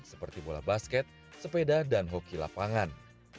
seperti bola basket sepeda dan hoki lapangan